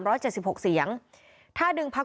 โหวตตามเสียงข้างมาก